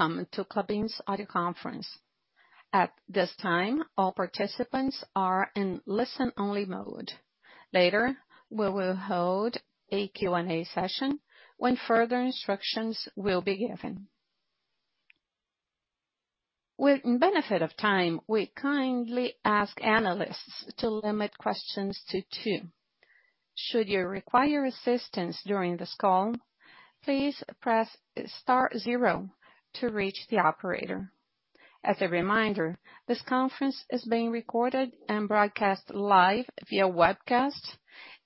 Welcome to Klabin's audio conference. At this time, all participants are in listen-only mode. Later, we will hold a Q&A session when further instructions will be given. In the interest of time, we kindly ask analysts to limit questions to two. Should you require assistance during this call, please press star zero to reach the operator. As a reminder, this conference is being recorded and broadcast live via webcast,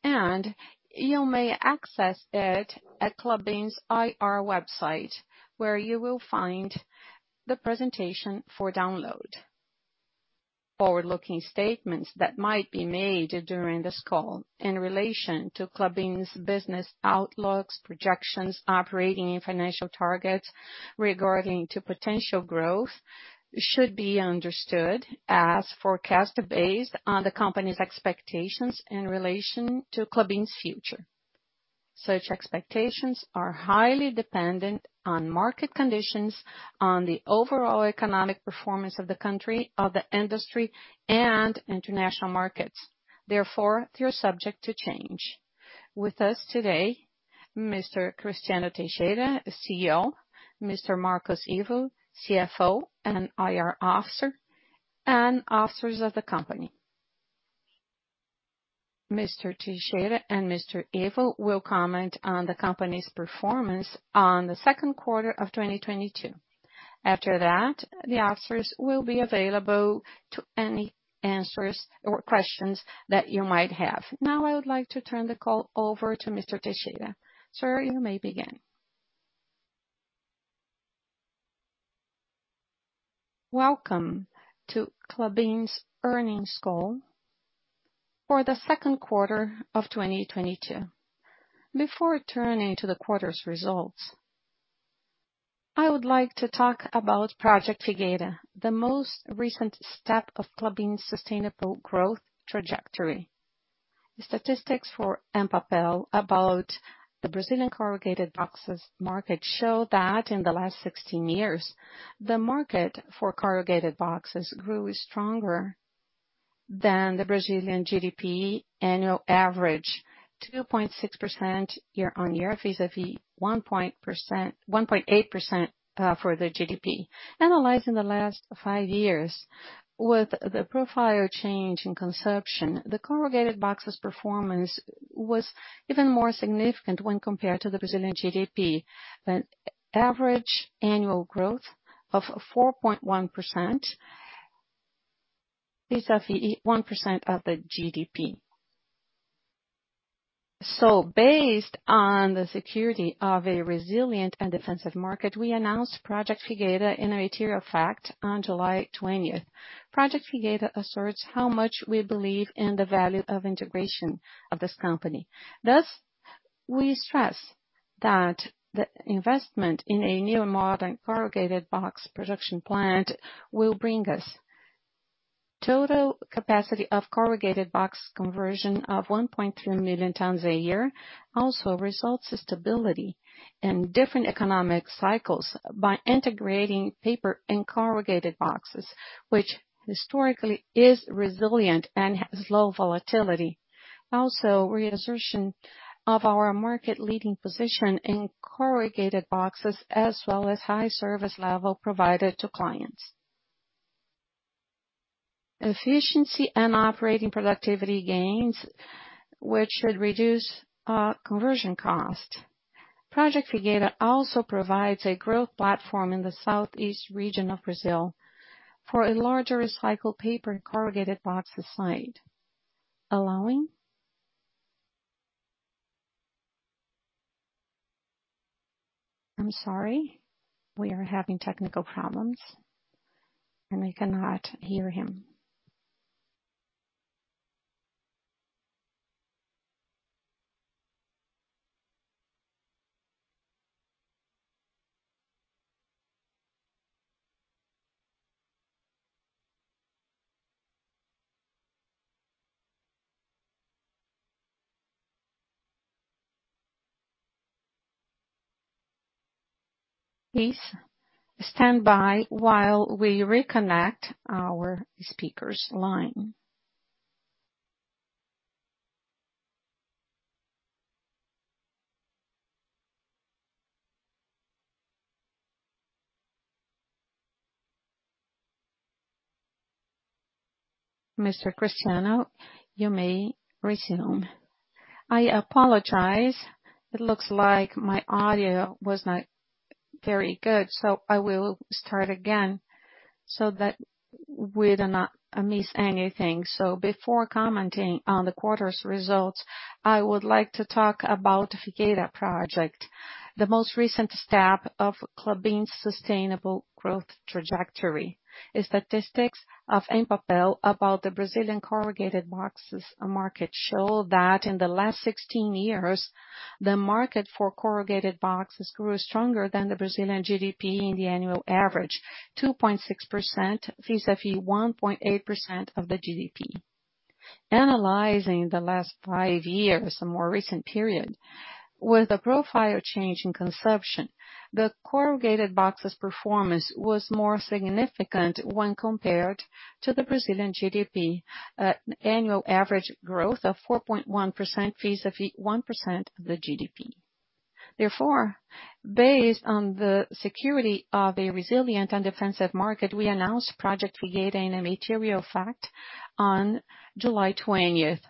and you may access it at Klabin's IR website, where you will find the presentation for download. Forward-looking statements that might be made during this call in relation to Klabin's business outlooks, projections, operating and financial targets regarding potential growth should be understood as forecasts based on the company's expectations in relation to Klabin's future. Such expectations are highly dependent on market conditions, on the overall economic performance of the country, of the industry, and international markets, therefore, they are subject to change. With us today, Mr. Cristiano Teixeira, CEO, Mr. Marcos Ivo, CFO and IR officer, and officers of the company. Mr. Teixeira and Mr. Ivo will comment on the company's performance on the second quarter of 2022. After that, the officers will be available to answer any questions that you might have. Now, I would like to turn the call over to Mr. Teixeira. Sir, you may begin. Welcome to Klabin's earnings call for the second quarter of 2022. Before turning to the quarter's results, I would like to talk about Project Figueira, the most recent step of Klabin's sustainable growth trajectory. The statistics for Empapel about the Brazilian corrugated boxes market show that in the last 16 years, the market for corrugated boxes grew stronger than the Brazilian GDP annual average, 2.6% year-on-year vis-à-vis 1.8% for the GDP. Analyzing the last 5 years, with the profile change in consumption, the corrugated boxes performance was even more significant when compared to the Brazilian GDP, with average annual growth of 4.1% vis-à-vis 1% of the GDP. Based on the security of a resilient and defensive market, we announced Project Figueira in a material fact on July 20th. Project Figueira asserts how much we believe in the value of integration of this company. Thus, we stress that the investment in a new modern corrugated box production plant will bring us total capacity of corrugated box conversion of 1.3 million tons a year, also results stability in different economic cycles by integrating paper and corrugated boxes, which historically is resilient and has low volatility. Also, reassertion of our market leading position in corrugated boxes as well as high service level provided to clients. Efficiency and operating productivity gains, which should reduce conversion cost. Project Figueira also provides a growth platform in the southeast region of Brazil for a larger recycled paper and corrugated boxes site, allowing. I'm sorry, we are having technical problems, and we cannot hear him. Please stand by while we reconnect our speaker's line. Mr. Cristiano, you may resume. I apologize. It looks like my audio was not very good, so I will start again so that we do not miss anything. Before commenting on the quarter's results, I would like to talk about Figueira Project, the most recent step of Klabin's sustainable growth trajectory. The statistics of Empapel about the Brazilian corrugated boxes market show that in the last 16 years, the market for corrugated boxes grew stronger than the Brazilian GDP in the annual average, 2.6% vis-à-vis 1.8% of the GDP. Analyzing the last 5 years, a more recent period, with the profile change in consumption, the corrugated boxes performance was more significant when compared to the Brazilian GDP at annual average growth of 4.1% vis-à-vis 1% the GDP. Therefore, based on the certainty of a resilient and defensive market, we announced Project Figueira in a material fact on July 20th.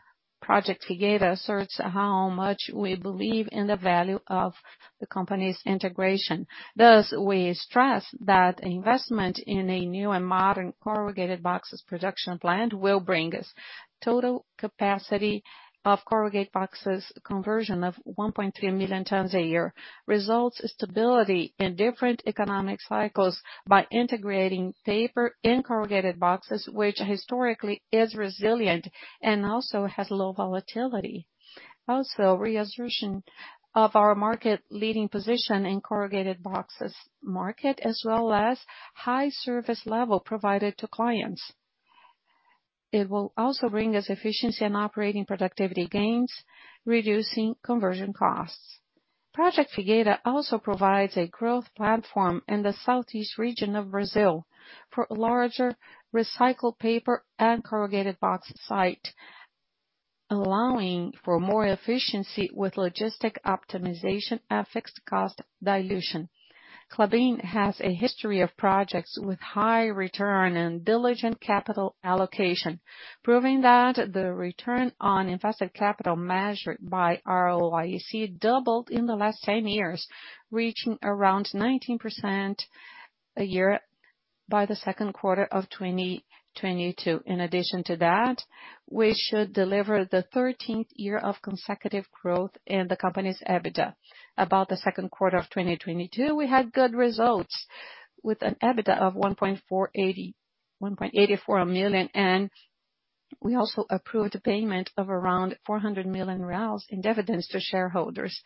Project Figueira asserts how much we believe in the value of the company's integration. Thus, we stress that investment in a new and modern corrugated boxes production plant will bring us total capacity of corrugated boxes conversion of 1.3 million tons a year, results stability in different economic cycles by integrating paper in corrugated boxes, which historically is resilient and also has low volatility. Also reassertion of our market leading position in corrugated boxes market as well as high service level provided to clients. It will also bring us efficiency and operating productivity gains, reducing conversion costs. Project Figueira also provides a growth platform in the southeast region of Brazil for larger recycled paper and corrugated box site, allowing for more efficiency with logistic optimization and fixed cost dilution. Klabin has a history of projects with high return and diligent capital allocation, proving that the return on invested capital measured by ROIC doubled in the last 10 years, reaching around 19% a year by the second quarter of 2022. In addition to that, we should deliver the 13th year of consecutive growth in the company's EBITDA. About the second quarter of 2022, we had good results with an EBITDA of 1.84 million, and we also approved the payment of around 400 million reais in dividends to shareholders.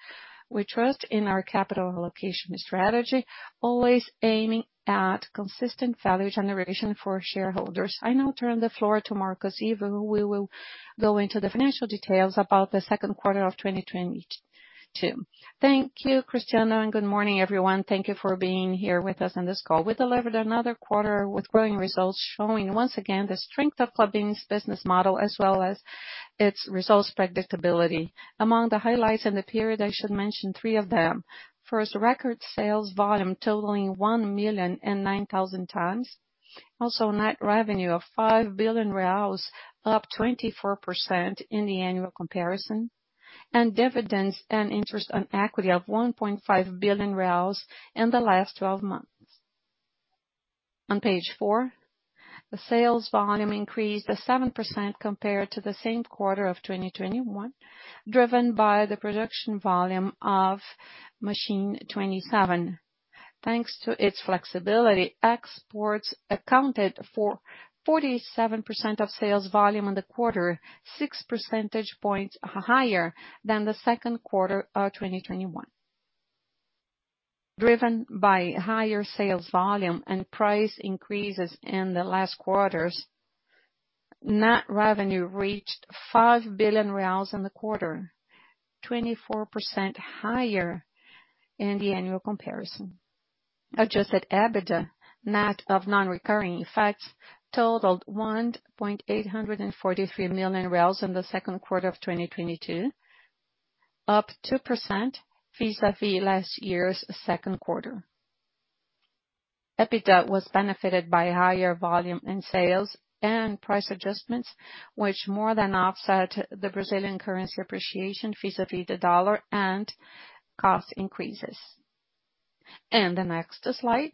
We trust in our capital allocation strategy, always aiming at consistent value generation for shareholders. I now turn the floor to Marcos Ivo, who will go into the financial details about the second quarter of 2022. Thank you, Cristiano, and good morning, everyone. Thank you for being here with us on this call. We delivered another quarter with growing results, showing once again the strength of Klabin's business model as well as its results predictability. Among the highlights in the period, I should mention three of them. First, record sales volume totaling 1,009,000 tons. Also, net revenue of 5 billion reais, up 24% in the annual comparison, and dividends and interest on equity of 1.5 billion reais in the last 12 months. On page four, the sales volume increased by 7% compared to the same quarter of 2021, driven by the production volume of machine 27. Thanks to its flexibility, exports accounted for 47% of sales volume in the quarter, six percentage points higher than the second quarter of 2021. Driven by higher sales volume and price increases in the last quarters, net revenue reached 5 billion reais in the quarter, 24% higher in the annual comparison. Adjusted EBITDA, net of non-recurring effects, totaled 1,843 million in the second quarter of 2022, up 2% vis-a-vis last year's second quarter. EBITDA was benefited by higher volume in sales and price adjustments, which more than offset the Brazilian currency appreciation vis-a-vis the dollar and cost increases. The next slide.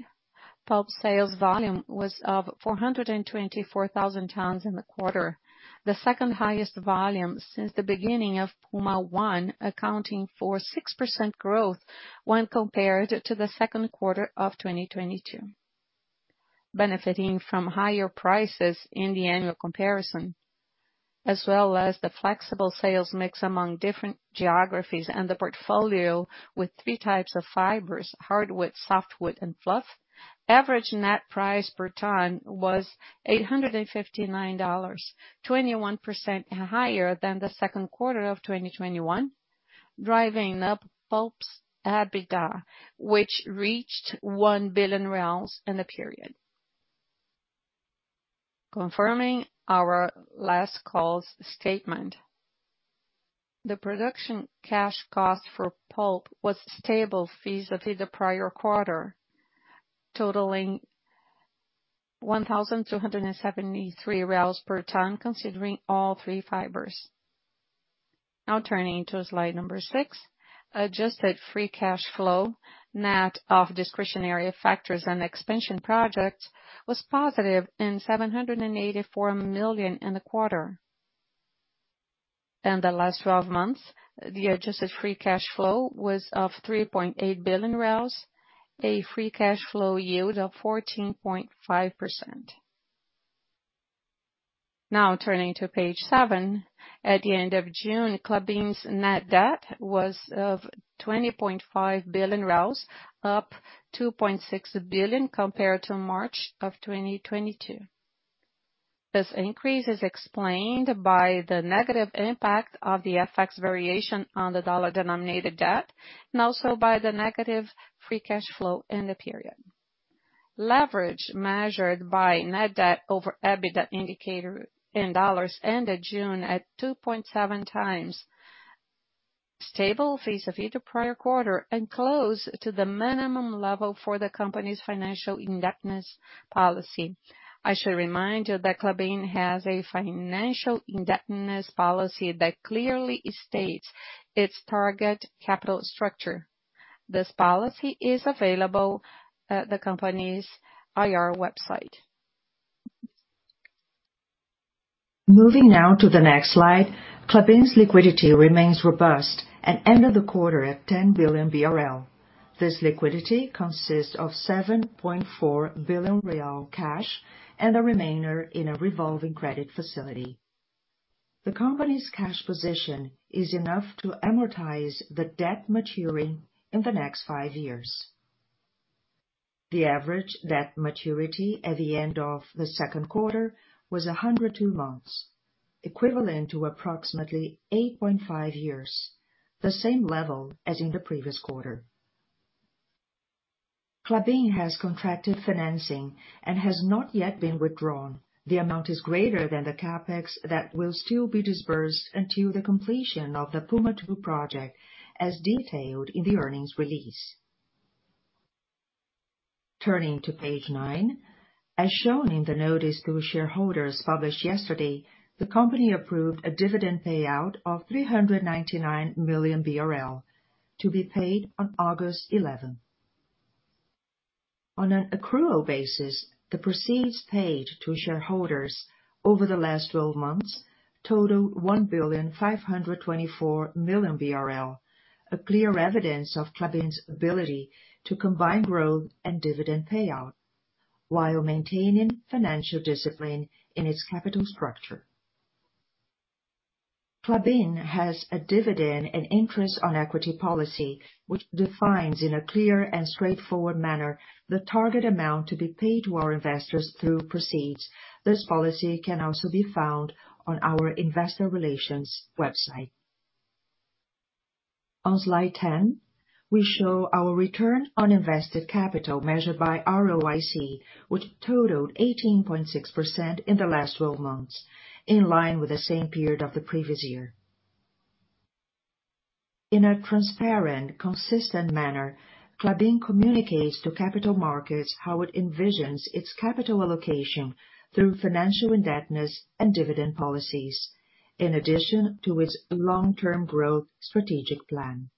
Pulp sales volume was 424,000 tons in the quarter, the second-highest volume since the beginning of Puma One, accounting for 6% growth when compared to the second quarter of 2022. Benefiting from higher prices in the annual comparison, as well as the flexible sales mix among different geographies and the portfolio with three types of fibers, hardwood, softwood, and fluff, average net price per ton was $859, 21% higher than the second quarter of 2021, driving up pulp's EBITDA, which reached 1 billion reais in the period. Confirming our last call's statement, the production cash cost for pulp was stable vis-à-vis the prior quarter, totaling 1,273 per ton, considering all three fibers. Now turning to slide number six. Adjusted free cash flow, net of discretionary factors and expansion projects, was positive 784 million in the quarter. In the last twelve months, the adjusted free cash flow was 3.8 billion, a free cash flow yield of 14.5%. Now turning to page seven. At the end of June, Klabin's net debt was 20.5 billion, up 2.6 billion compared to March 2022. This increase is explained by the negative impact of the FX variation on the dollar-denominated debt, and also by the negative free cash flow in the period. Leverage measured by net debt over EBITDA indicator in dollars ended June at 2.7 times. Stable vis-a-vis the prior quarter and close to the minimum level for the company's financial indebtedness policy. Klabin has a financial indebtedness policy that clearly states its target capital structure. This policy is available at the company's IR website. Moving now to the next slide. Klabin's liquidity remains robust and ended the quarter at 10 billion BRL. This liquidity consists of 7.4 billion real cash and the remainder in a revolving credit facility. The company's cash position is enough to amortize the debt maturing in the next five years. The average debt maturity at the end of the second quarter was 102 months, equivalent to approximately 8.5 years, the same level as in the previous quarter. Klabin has contracted financing and has not yet been withdrawn. The amount is greater than the CapEx that will still be disbursed until the completion of the Puma II Project, as detailed in the earnings release. Turning to page nine. As shown in the notice to shareholders published yesterday, the company approved a dividend payout of 399 million BRL to be paid on August 11th. On an accrual basis, the proceeds paid to shareholders over the last 12 months total 1,524 million BRL. A clear evidence of Klabin's ability to combine growth and dividend payout while maintaining financial discipline in its capital structure. Klabin has a dividend and interest on equity policy, which defines in a clear and straightforward manner the target amount to be paid to our investors through proceeds. This policy can also be found on our investor relations website. On slide 10, we show our return on invested capital measured by ROIC, which totaled 18.6% in the last 12 months, in line with the same period of the previous year. In a transparent, consistent manner, Klabin communicates to capital markets how it envisions its capital allocation through financial indebtedness and dividend policies, in addition to its long-term growth strategic plan.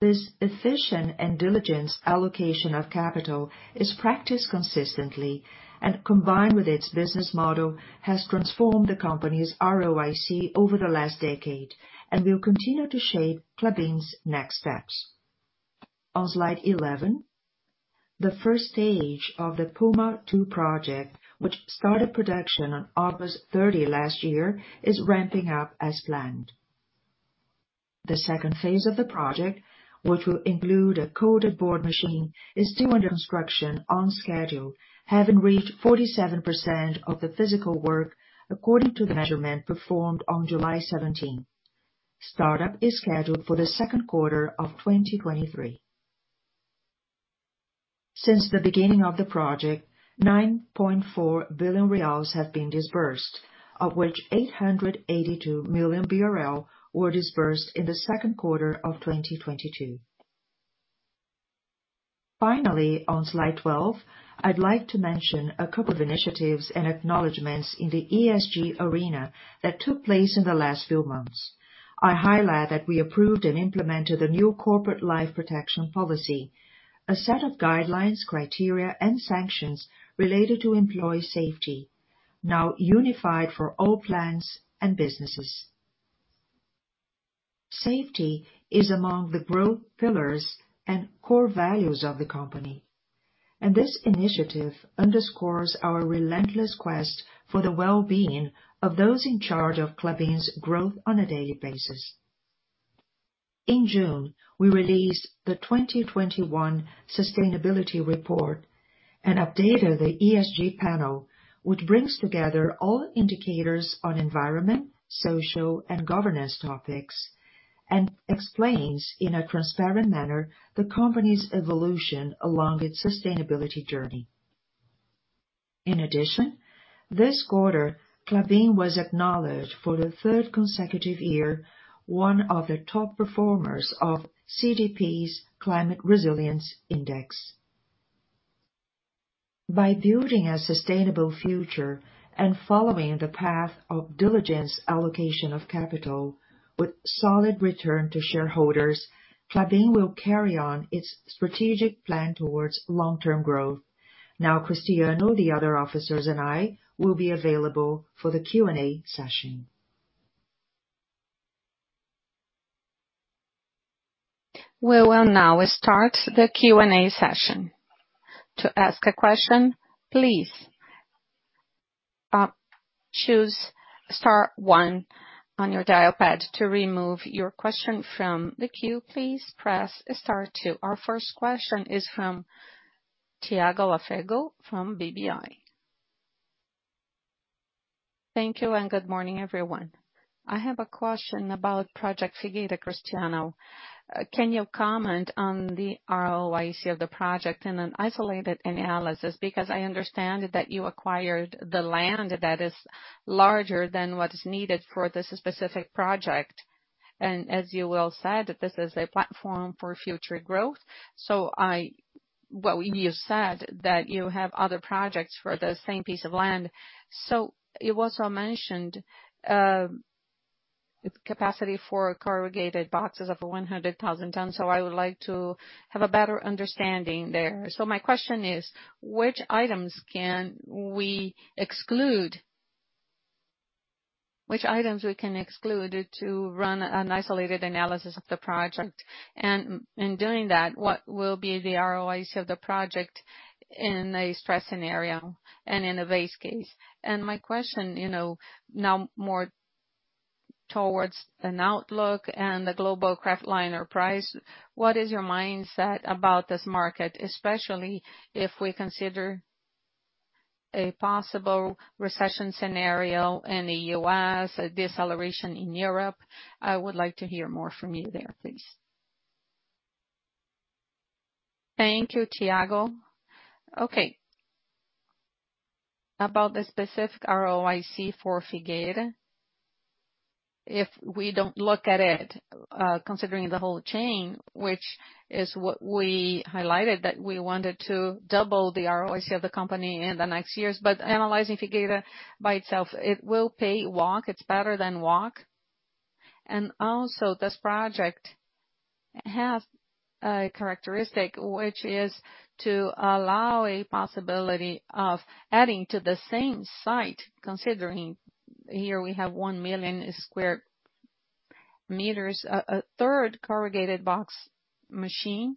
This efficient and diligent allocation of capital is practiced consistently, and combined with its business model, has transformed the company's ROIC over the last decade and will continue to shape Klabin's next steps. On slide 11, the first stage of the Puma II Project, which started production on August 30 last year, is ramping up as planned. The second phase of the project, which will include a coated board machine, is still under construction on schedule, having reached 47% of the physical work according to the measurement performed on July 17. Startup is scheduled for the second quarter of 2023. Since the beginning of the project, BRL 9.4 billion have been disbursed, of which 882 million BRL were disbursed in the second quarter of 2022. Finally, on slide 12, I'd like to mention a couple of initiatives and acknowledgments in the ESG arena that took place in the last few months. I highlight that we approved and implemented a new corporate life protection policy, a set of guidelines, criteria, and sanctions related to employee safety, now unified for all plants and businesses. Safety is among the growth pillars and core values of the company, and this initiative underscores our relentless quest for the well-being of those in charge of Klabin's growth on a daily basis. In June, we released the 2021 sustainability report and updated the ESG panel, which brings together all indicators on environment, social, and governance topics, and explains in a transparent manner the company's evolution along its sustainability journey. In addition, this quarter, Klabin was acknowledged for the third consecutive year, one of the top performers of CDP's Climate Resilience Index. By building a sustainable future and following the path of diligent allocation of capital with solid returns to shareholders, Klabin will carry on its strategic plan towards long-term growth. Now Cristiano, the other officers and I will be available for the Q&A session. We will now start the Q&A session. To ask a question, please choose star one on your dial pad. To remove your question from the queue, please press star two. Our first question is from Thiago Lofiego from BBI. Thank you and good morning, everyone. I have a question about Project Figueira, Cristiano. Can you comment on the ROIC of the project in an isolated analysis? Because I understand that you acquired the land that is larger than what is needed for this specific project. As you well said, this is a platform for future growth. Well, you said that you have other projects for the same piece of land. It was mentioned capacity for corrugated boxes of 100,000 tons. I would like to have a better understanding there. My question is which items we can exclude to run an isolated analysis of the project? In doing that, what will be the ROIC of the project in a stress scenario and in a base case? My question, you know, now more towards an outlook and the global kraftliner price. What is your mindset about this market? Especially if we consider a possible recession scenario in the U.S., a deceleration in Europe. I would like to hear more from you there, please. Thank you, Thiago. Okay. About the specific ROIC for Figueira, if we don't look at it, considering the whole chain, which is what we highlighted, that we wanted to double the ROIC of the company in the next years. But analyzing Figueira by itself, it will pay WACC. It's better than WACC. Also this project has a characteristic, which is to allow a possibility of adding to the same site, considering here we have 1 million square meters, a third corrugated box machine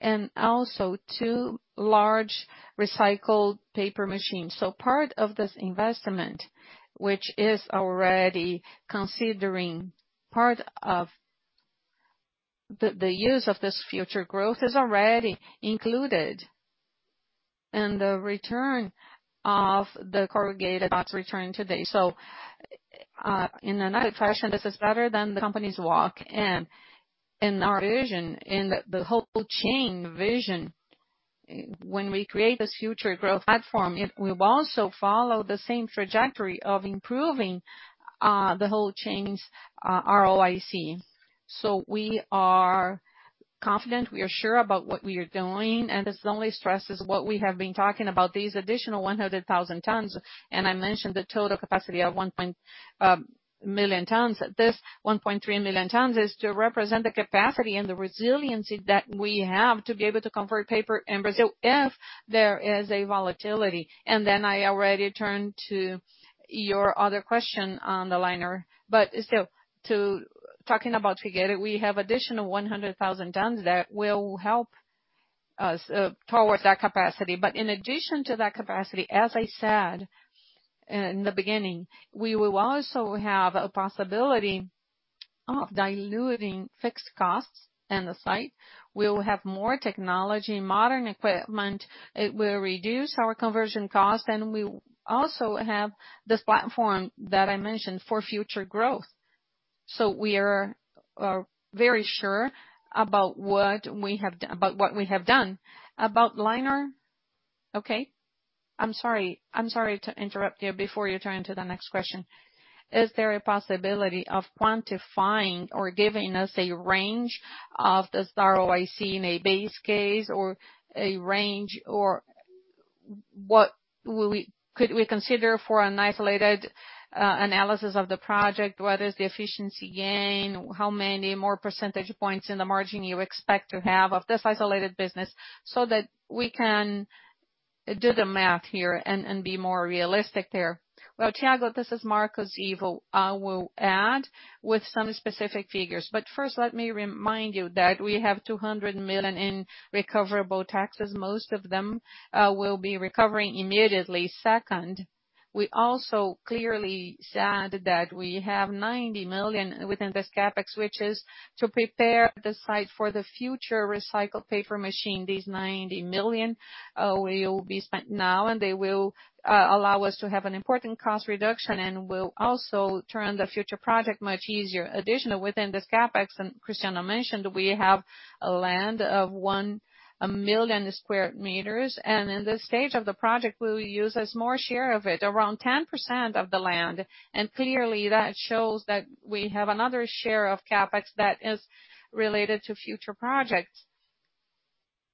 and also two large recycled paper machines. Part of this investment, which is already considering part of the use of this future growth, is already included in the return of the corrugated box return today. In another fashion, this is better than the company's WACC. In our vision, in the whole chain vision, when we create this future growth platform, it will also follow the same trajectory of improving the whole chain's ROIC. We are confident, we are sure about what we are doing, and this only stresses what we have been talking about, these additional 100,000 tons. I mentioned the total capacity of 1 million tons. This 1.3 million tons is to represent the capacity and the resiliency that we have to be able to convert paper in Brazil if there is a volatility. I already turn to your other question on the liner. Still, talking about Figueira, we have additional 100,000 tons that will help us toward that capacity. In addition to that capacity, as I said in the beginning, we will also have a possibility of diluting fixed costs in the site. We will have more technology, modern equipment. It will reduce our conversion cost. We also have this platform that I mentioned for future growth. We are very sure about what we have done. About liner. Okay. I'm sorry to interrupt you before you turn to the next question. Is there a possibility of quantifying or giving us a range of this ROIC in a base case or a range or could we consider for an isolated analysis of the project, whether it's the efficiency gain, how many more percentage points in the margin you expect to have of this isolated business so that we can do the math here and be more realistic there? Well, Thiago, this is Marcos Ivo. I will add with some specific figures. First, let me remind you that we have 200 million in recoverable taxes. Most of them will be recovering immediately. Second, we also clearly said that we have 90 million within this CapEx, which is to prepare the site for the future recycled paper machine. These 90 million will be spent now, and they will allow us to have an important cost reduction and will also turn the future project much easier. Additionally within this CapEx, and Cristiano mentioned, we have a land of 1 million square meters. In this stage of the project we will use a more share of it, around 10% of the land. Clearly that shows that we have another share of CapEx that is related to future projects.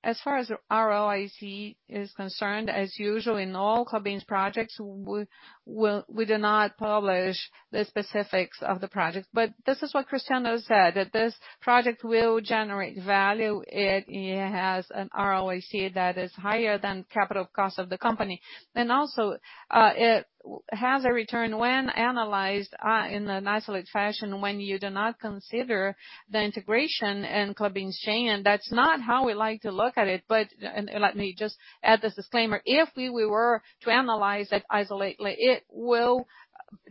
As far as ROIC is concerned, as usual in all Klabin's projects, we do not publish the specifics of the project. This is what Cristiano said, that this project will generate value. It has an ROIC that is higher than cost of capital of the company. It has a return when analyzed in an isolated fashion, when you do not consider the integration in Klabin's chain. That's not how we like to look at it, but let me just add this disclaimer. If we were to analyze it isolatedly, it will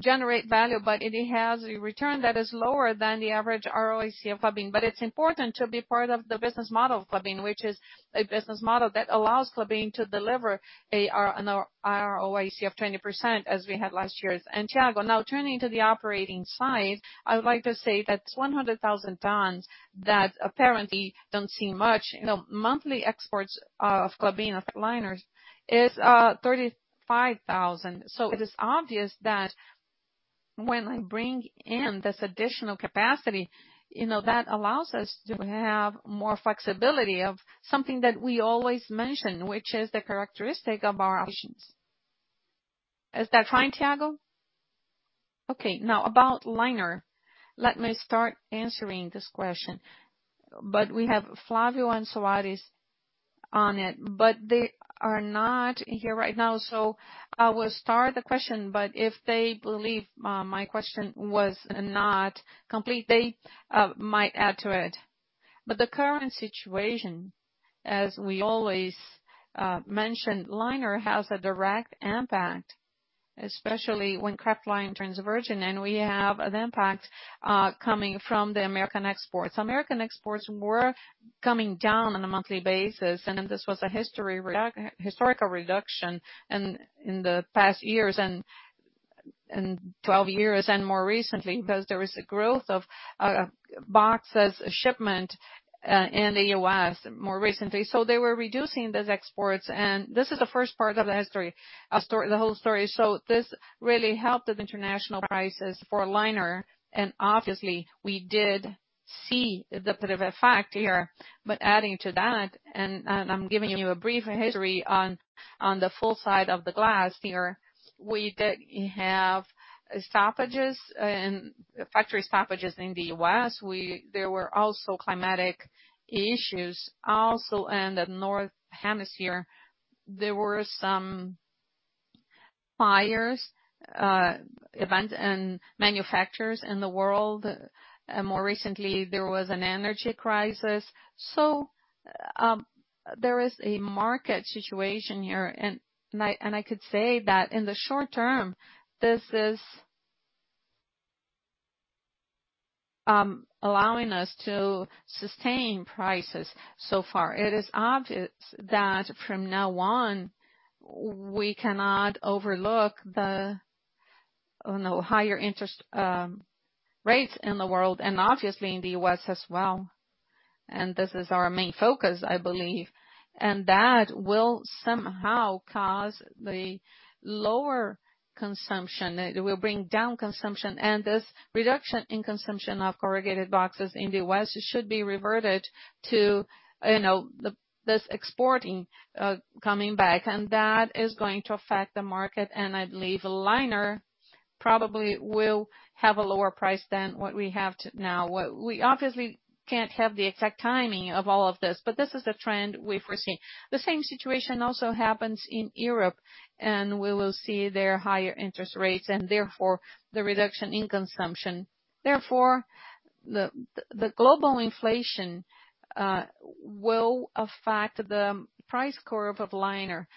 generate value, but it has a return that is lower than the average ROIC of Klabin. It's important to be part of the business model of Klabin, which is a business model that allows Klabin to deliver an ROIC of 20% as we had last year. Thiago, now turning to the operating side, I would like to say that 100,000 tons that apparently don't seem much. You know, monthly exports of Klabin liners is 35,000. It is obvious that when I bring in this additional capacity, you know, that allows us to have more flexibility of something that we always mention, which is the characteristic of our options. Is that fine, Thiago? Okay, now about liner. Let me start answering this question. We have Flávio and Soares on it, they are not here right now. I will start the question, but if they believe my question was not complete, they might add to it. The current situation, as we always mention, liner has a direct impact, especially when kraftliner turns virgin. We have an impact coming from the American exports. American exports were coming down on a monthly basis, and this was a historical reduction in the past twelve years and more recently, because there is a growth of box shipments in the U.S. more recently. They were reducing those exports. This is the first part of the story, the whole story. This really helped the international prices for liner and obviously we did see the price impact here. Adding to that, I'm giving you a brief history on the pulp side of the globe here. We did have stoppages and factory stoppages in the U.S. There were also climatic issues in the Northern Hemisphere. There were some buyer events and manufacturers in the world. More recently there was an energy crisis. There is a market situation here. I could say that in the short term, this is allowing us to sustain prices so far. It is obvious that from now on, we cannot overlook you know the higher interest rates in the world and obviously in the U.S. as well. This is our main focus, I believe. That will somehow cause the lower consumption. It will bring down consumption. This reduction in consumption of corrugated boxes in the West should be reverted to you know this exporting coming back. That is going to affect the market. I believe liner probably will have a lower price than what we have now. We obviously can't have the exact timing of all of this, but this is the trend we foresee. The same situation also happens in Europe, and we will see their higher interest rates and therefore the reduction in consumption. Therefore, the global inflation will affect the price curve of liner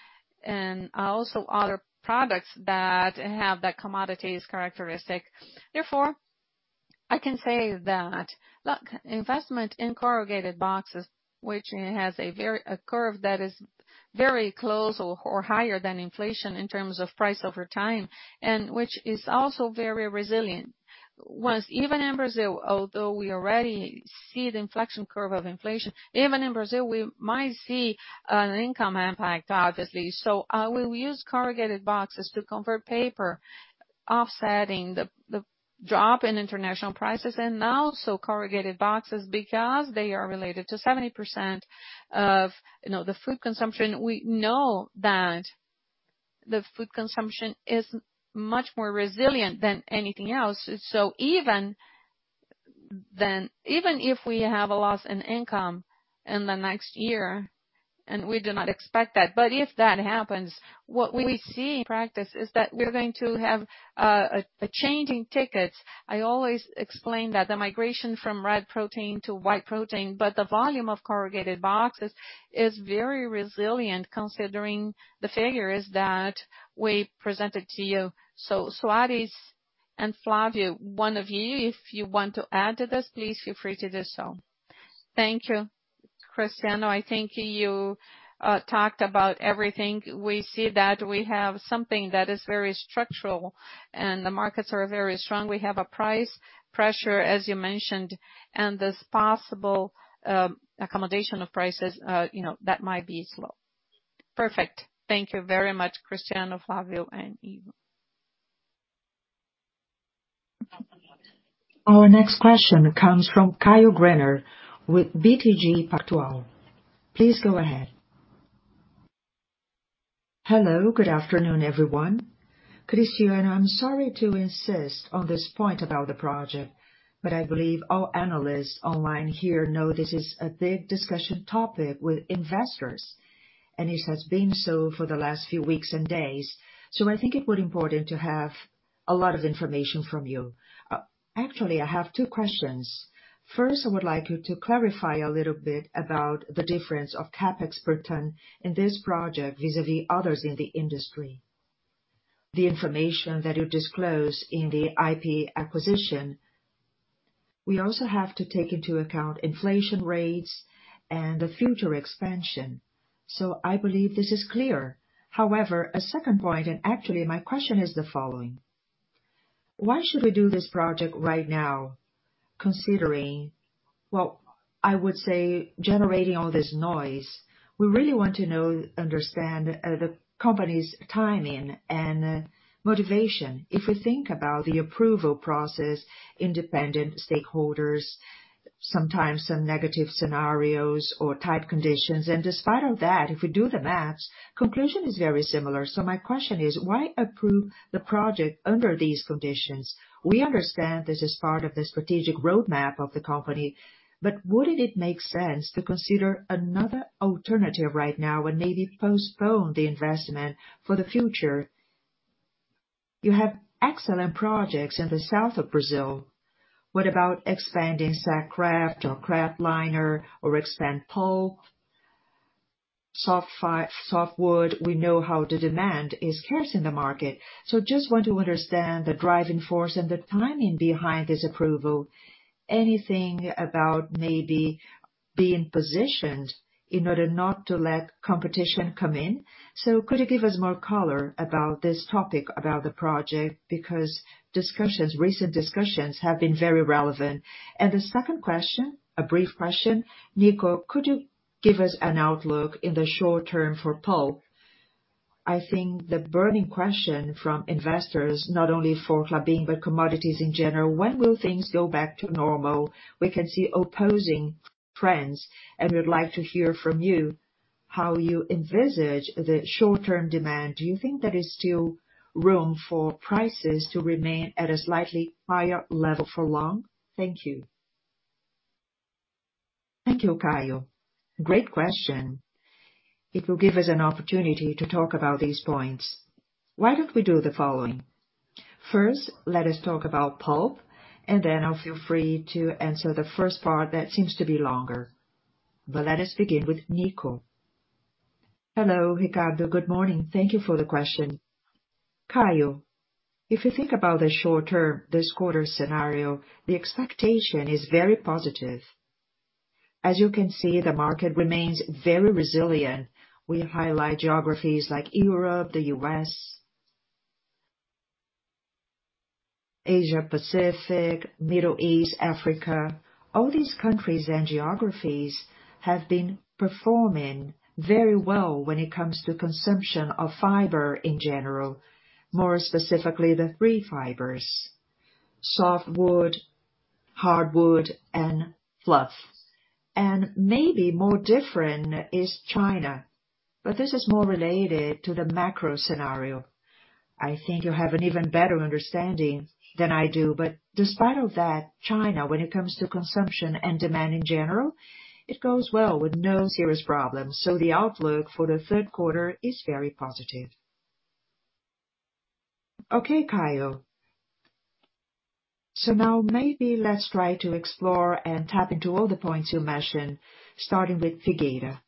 and also other products that have that commodities characteristic. Therefore, I can say that investment in corrugated boxes, which has a very a curve that is very close or higher than inflation in terms of price over time, and which is also very resilient. Once, even in Brazil, although we already see the inflection curve of inflation, even in Brazil, we might see an income impact, obviously. We will use corrugated boxes to convert paper, offsetting the drop in international prices and also corrugated boxes because they are related to 70% of, you know, the food consumption. We know that the food consumption is much more resilient than anything else. Even then, even if we have a loss in income in the next year, and we do not expect that, but if that happens, what we see in practice is that we're going to have a change in tickets. I always explain that the migration from red protein to white protein, but the volume of corrugated boxes is very resilient considering the figures that we presented to you. Soares and Flávio, one of you, if you want to add to this, please feel free to do so. Thank you. Cristiano, I think you talked about everything. We see that we have something that is very structural and the markets are very strong. We have a price pressure, as you mentioned, and this possible accommodation of prices, you know, that might be slow. Perfect. Thank you very much, Cristiano, Flávio and Ivo. Our next question comes from Caio Greiner with BTG Pactual. Please go ahead. Hello, good afternoon, everyone. Cristiano, I'm sorry to insist on this point about the project, but I believe all analysts online here know this is a big discussion topic with investors, and it has been so for the last few weeks and days. I think it was important to have a lot of information from you. Actually, I have two questions. First, I would like you to clarify a little bit about the difference of CapEx per ton in this project vis-à-vis others in the industry. The information that you disclosed in the IP acquisition. We also have to take into account inflation rates and the future expansion. I believe this is clear. However, a second point, and actually my question is the following. Why should we do this project right now, considering, well, I would say generating all this noise? We really want to know, understand, the company's timing and motivation. If we think about the approval process, independent stakeholders, sometimes some negative scenarios or tight conditions. Despite that, if we do the math, conclusion is very similar. My question is, why approve the project under these conditions? We understand this is part of the strategic roadmap of the company, but wouldn't it make sense to consider another alternative right now and maybe postpone the investment for the future? You have excellent projects in the south of Brazil. What about expanding Sack Kraft or kraftliner or expand pulp? Softwood, we know how the demand has surged in the market. Just want to understand the driving force and the timing behind this approval. Anything about maybe being positioned in order not to let competition come in. Could you give us more color about this topic, about the project? Because discussions, recent discussions have been very relevant. The second question, a brief question. Nico, could you give us an outlook in the short term for pulp? I think the burning question from investors, not only for Klabin but commodities in general, when will things go back to normal? We can see opposing trends, and we'd like to hear from you how you envisage the short-term demand. Do you think there is still room for prices to remain at a slightly higher level for long? Thank you. Thank you, Caio. Great question. It will give us an opportunity to talk about these points. Why don't we do the following? First, let us talk about pulp, and then I'll feel free to answer the first part that seems to be longer. Let us begin with Nico. Hello, Ricardo. Good morning. Thank you for the question. Caio, if you think about the short term, this quarter's scenario, the expectation is very positive. As you can see, the market remains very resilient. We highlight geographies like Europe, the U.S., Asia Pacific, Middle East, Africa. All these countries and geographies have been performing very well when it comes to consumption of fiber in general. More specifically, the three fibers, softwood, hardwood, and fluff. Maybe more different is China, but this is more related to the macro scenario. I think you have an even better understanding than I do. Despite of that, China, when it comes to consumption and demand in general, it goes well with no serious problems. The outlook for the third quarter is very positive. Okay, Caio. Now maybe let's try to explore and tap into all the points you mentioned, starting with Figueira.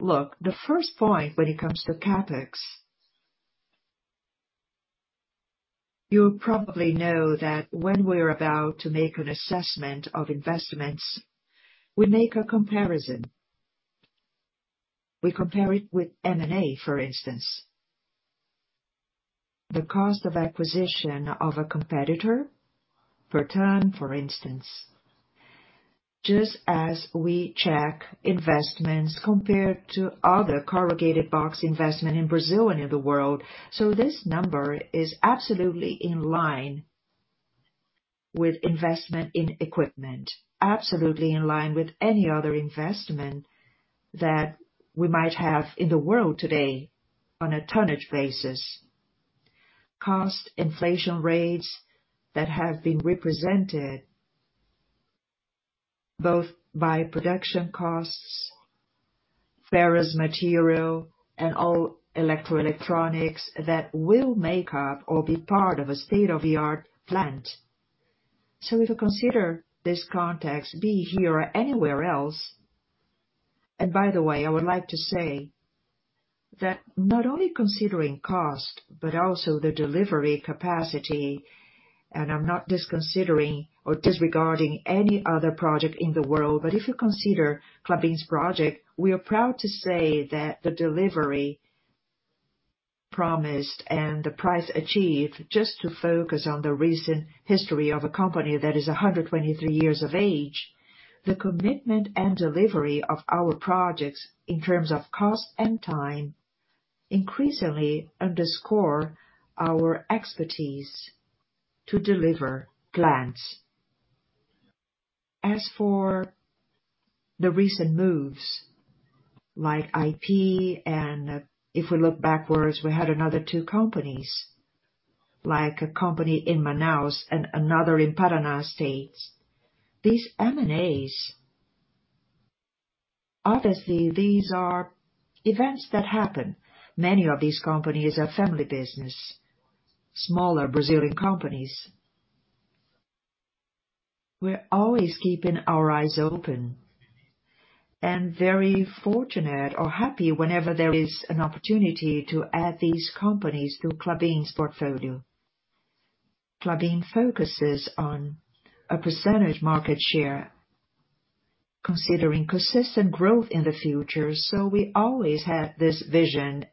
Look, the first point when it comes to CapEx. You'll probably know that when we're about to make an assessment of investments, we make a comparison. We compare it with M&A, for instance. The cost of acquisition of a competitor per ton, for instance, just as we check investments compared to other corrugated box investment in Brazil and in the world. This number is absolutely in line with investment in equipment, absolutely in line with any other investment that we might have in the world today on a tonnage basis. Cost inflation rates that have been represented both by production costs, ferrous material, and all electromechanical and electronics that will make up or be part of a state-of-the-art plant. If you consider this context, be it here or anywhere else. By the way, I would like to say that not only considering cost, but also the delivery capacity, and I'm not disconsidering or disregarding any other project in the world, but if you consider Klabin's project, we are proud to say that the delivery promised and the price achieved, just to focus on the recent history of a company that is 123 years of age, the commitment and delivery of our projects in terms of cost and time increasingly underscore our expertise to deliver plans. As for the recent moves like IP and if we look backwards, we had another two companies, like a company in Manaus and another in Paraná state. These M&As, obviously, these are events that happen. Many of these companies are family business, smaller Brazilian companies. We're always keeping our eyes open. Very fortunate or happy whenever there is an opportunity to add these companies to Klabin's portfolio. Klabin focuses on a percentage market share, considering consistent growth in the future. We always had this vision.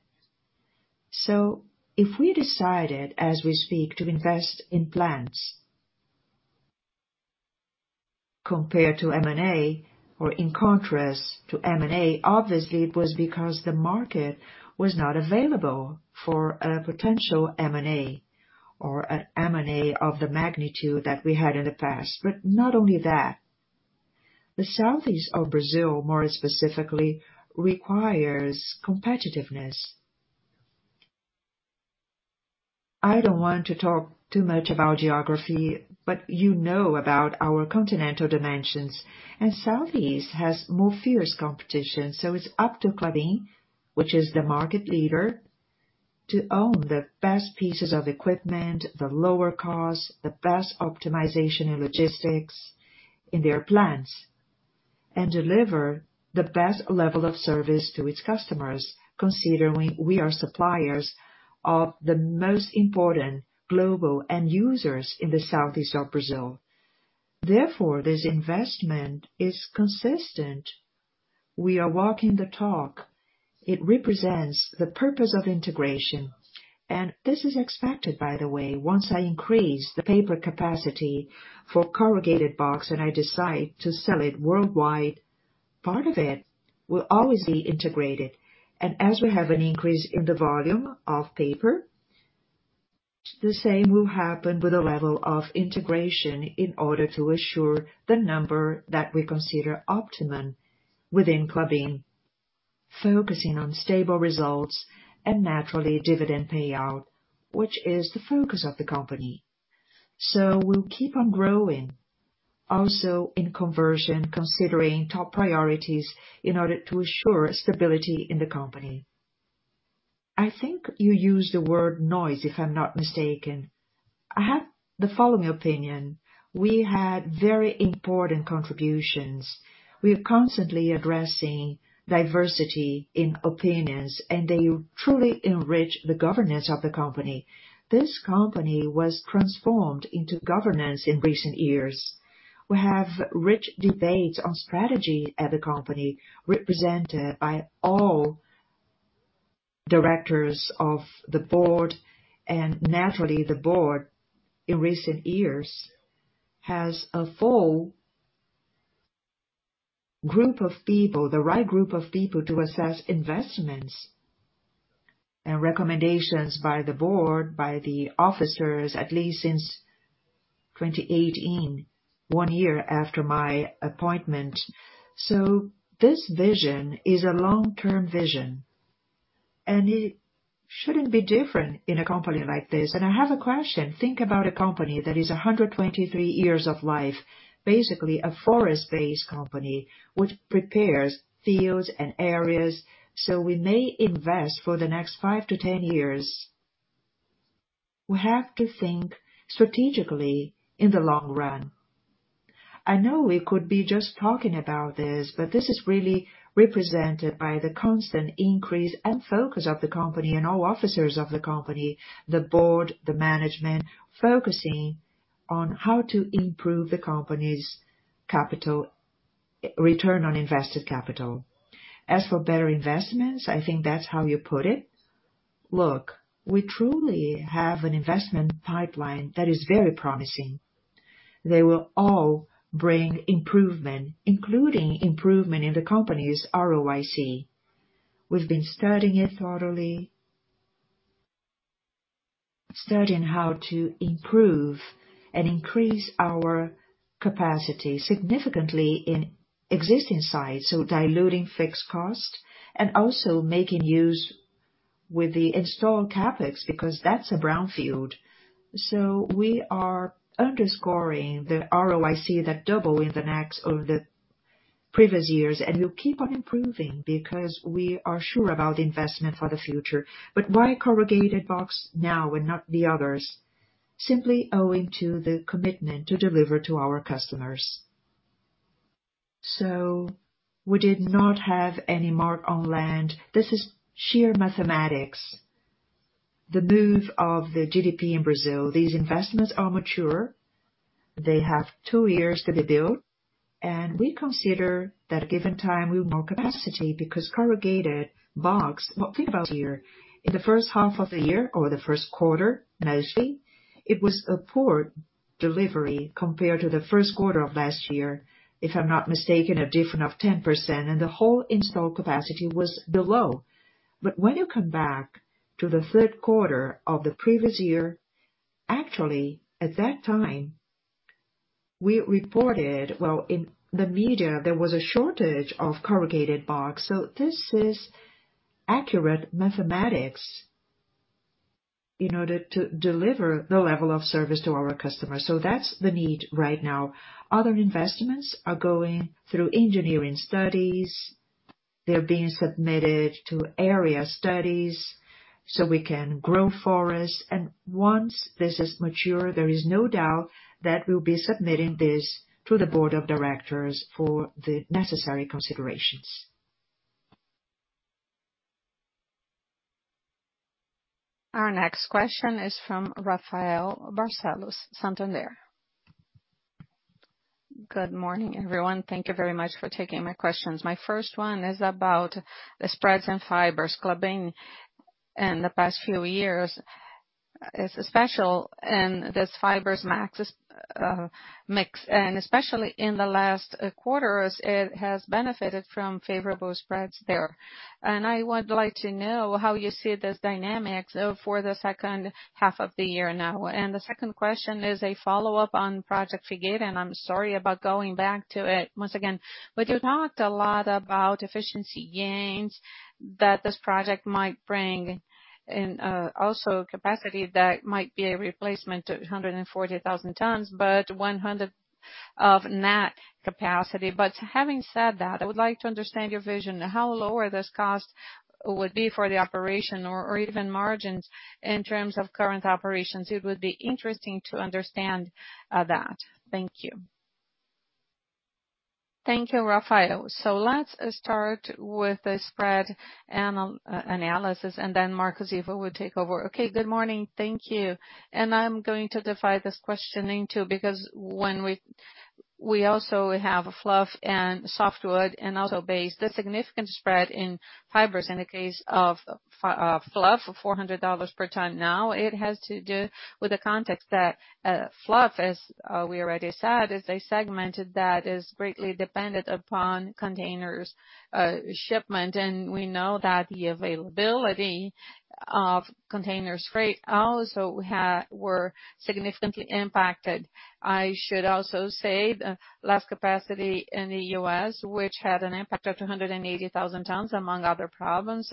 If we decided, as we speak, to invest in plants compared to M&A or in contrast to M&A obviously it was because the market was not available for a potential M&A or an M&A of the magnitude that we had in the past. Not only that, the Southeast of Brazil, more specifically, requires competitiveness. I don't want to talk too much about geography, but you know about our continental dimensions, and Southeast has more fierce competition. It's up to Klabin, which is the market leader, to own the best pieces of equipment, the lower cost, the best optimization and logistics in their plants, and deliver the best level of service to its customers considering we are suppliers of the most important global end users in the Southeast of Brazil. Therefore, this investment is consistent. We are walking the talk. It represents the purpose of integration. This is expected, by the way. Once I increase the paper capacity for corrugated box and I decide to sell it worldwide, part of it will always be integrated. As we have an increase in the volume of paper, the same will happen with the level of integration in order to assure the number that we consider optimum within Klabin, focusing on stable results and naturally dividend payout, which is the focus of the company. We'll keep on growing also in conversion, considering top priorities in order to assure stability in the company. I think you used the word noise, if I'm not mistaken. I have the following opinion. We had very important contributions. We are constantly addressing diversity in opinions, and they truly enrich the governance of the company. This company was transformed into governance in recent years. We have rich debates on strategy at the company, represented by all directors of the board, and naturally, the board in recent years has a full group of people, the right group of people to assess investments and recommendations by the board, by the officers, at least since 2018, one year after my appointment. This vision is a long-term vision, and it shouldn't be different in a company like this. I have a question. Think about a company that is 123 years of life, basically a forest-based company which prepares fields and areas, so we may invest for the next 5-10 years. We have to think strategically in the long run. I know we could be just talking about this, but this is really represented by the constant increase and focus of the company and all officers of the company, the board, the management, focusing on how to improve the company's return on invested capital. As for better investments, I think that's how you put it. Look, we truly have an investment pipeline that is very promising. They will all bring improvement, including improvement in the company's ROIC. We've been studying it thoroughly. Studying how to improve and increase our capacity significantly in existing sites, so diluting fixed cost and also making use with the installed CapEx because that's a brownfield. We are underscoring the ROIC that double in the previous years. We'll keep on improving because we are sure about investment for the future. Why corrugated box now and not the others? Simply owing to the commitment to deliver to our customers. We did not have any mark on land. This is sheer mathematics. The move of the GDP in Brazil, these investments are mature. They have two years to be built, and we consider that given time, we're more capacity because corrugated box. Well, think about here. In the first half of the year or the first quarter, mostly, it was a poor delivery compared to the first quarter of last year, if I'm not mistaken, a diff of 10%, and the whole installed capacity was below. When you come back to the third quarter of the previous year, actually, at that time, we reported. Well, in the media, there was a shortage of corrugated box. This is accurate mathematics in order to deliver the level of service to our customers. That's the need right now. Other investments are going through engineering studies. They're being submitted to area studies so we can grow forests. Once this is mature, there is no doubt that we'll be submitting this to the board of directors for the necessary considerations. Our next question is from Rafael Barcellos, Santander. Good morning, everyone. Thank you very much for taking my questions. My first one is about the spreads in fibers. Klabin in the past few years is special in this fibers mix, and especially in the last quarters, it has benefited from favorable spreads there. I would like to know how you see this dynamics for the second half of the year now. The second question is a follow-up on Project Figueira, and I'm sorry about going back to it once again. You talked a lot about efficiency gains that this project might bring and also capacity that might be a replacement to 140,000 tons, but 100 of net capacity. Having said that, I would like to understand your vision. How lower this cost would be for the operation or even margins in terms of current operations? It would be interesting to understand that. Thank you. Thank you, Rafael. Let's start with the spread analysis, and then Marcos Ivo will take over. Okay, good morning. Thank you. I'm going to divide this questioning too, because when we we also have fluff and softwood and also base, the significant spread in fibers in the case of fluff, $400 per ton, now it has to do with the context that, fluff, as we already said, is a segment that is greatly dependent upon containers, shipment. We know that the availability of containers freight also were significantly impacted. I should also say the less capacity in the U.S., which had an impact of 280,000 tons, among other problems,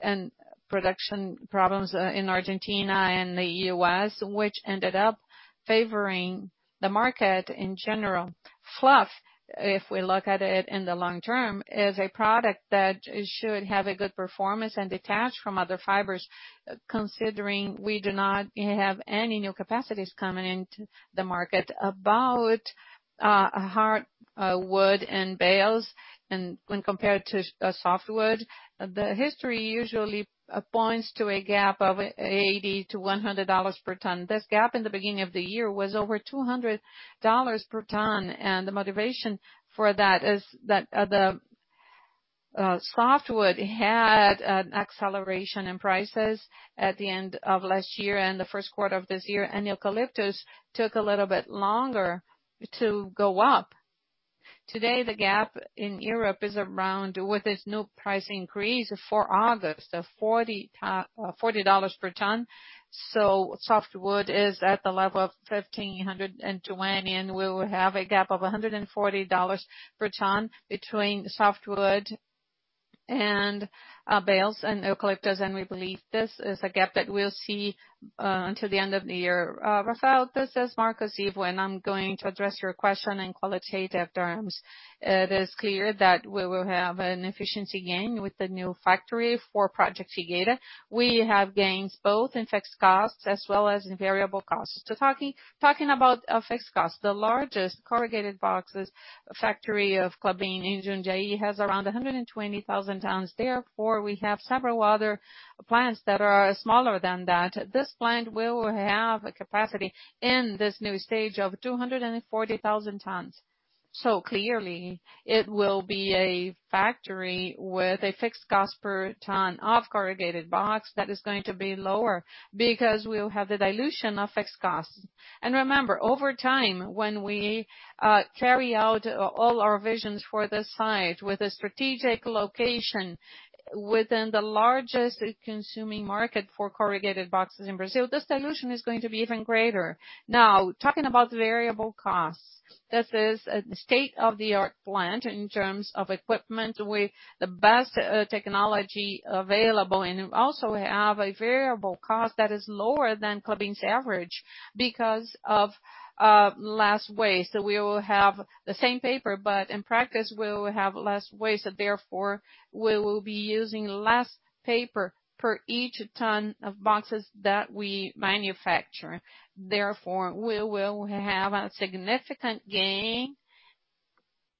and production problems, in Argentina and the US, which ended up favoring the market in general. Fluff, if we look at it in the long term, is a product that should have a good performance and detach from other fibers, considering we do not have any new capacities coming into the market. About hardwood and BHKP and when compared to softwood, the history usually points to a gap of $80-$100 per ton. This gap in the beginning of the year was over $200 per ton, and the motivation for that is that softwood had an acceleration in prices at the end of last year and the first quarter of this year, and eucalyptus took a little bit longer to go up. Today, the gap in Europe is around, with this new price increase for August, of $40 per ton. Softwood is at the level of 1,520, and we will have a gap of $140 per ton between softwood and BHKP and eucalyptus, and we believe this is a gap that we'll see until the end of the year. Rafael, this is Marcos Ivo, and I'm going to address your question in qualitative terms. It is clear that we will have an efficiency gain with the new factory for Project Figueira. We have gains both in fixed costs as well as in variable costs. Talking about fixed costs, the largest corrugated boxes factory of Klabin in Jundiaí has around 120,000 tons. Therefore, we have several other plants that are smaller than that. This plant will have a capacity in this new stage of 240,000 tons. Clearly it will be a factory with a fixed cost per ton of corrugated box that is going to be lower because we'll have the dilution of fixed costs. Remember, over time, when we carry out all our visions for this site with a strategic location within the largest consuming market for corrugated boxes in Brazil, this dilution is going to be even greater. Now, talking about variable costs, this is a state-of-the-art plant in terms of equipment with the best technology available, and we also have a variable cost that is lower than Klabin's average because of less waste. We will have the same paper, but in practice, we will have less waste. Therefore, we will be using less paper per each ton of boxes that we manufacture. Therefore, we will have a significant gain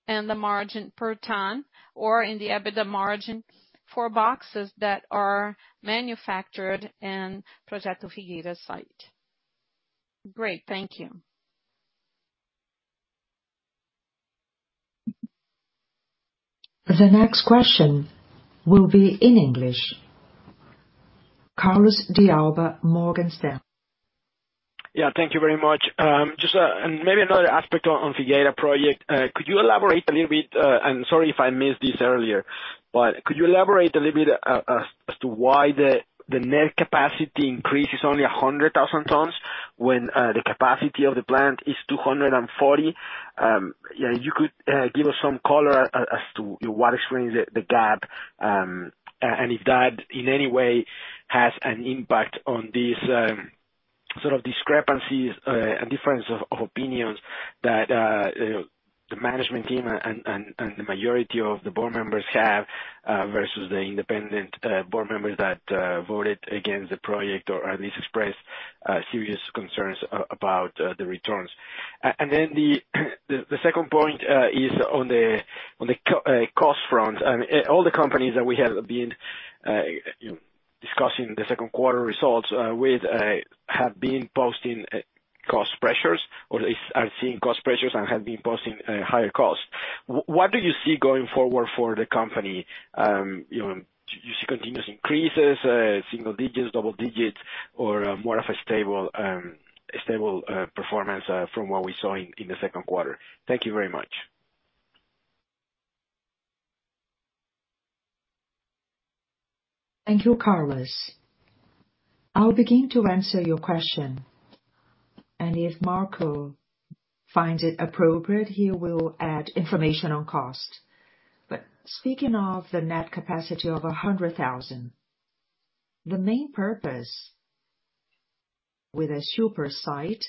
in the margin per ton or in the EBITDA margin for boxes that are manufactured in Project Figueira site. Great. Thank you. The next question will be in English. Carlos De Alba, Morgan Stanley. Yeah. Thank you very much. Just and maybe another aspect on Figueira Project. Could you elaborate a little bit, and sorry if I missed this earlier, but could you elaborate a little bit, as to why the net capacity increase is only 100,000 tons when the capacity of the plant is 240? Yeah, you could give us some color as to what explains the gap, and if that in any way has an impact on this sort of discrepancies, and difference of opinions that, you know, the management team and the majority of the board members have, versus the independent board members that voted against the project or at least expressed serious concerns about the returns. The second point is on the cost front. All the companies that we have been, you know, discussing the second quarter results with have been posting cost pressures or at least are seeing cost pressures and have been posting higher costs. What do you see going forward for the company? You know, do you see continuous increases, single digits, double digits, or more of a stable performance from what we saw in the second quarter? Thank you very much. Thank you, Carlos. I'll begin to answer your question, and if Marcos finds it appropriate, he will add information on cost. Speaking of the net capacity of 100,000, the main purpose with a super site,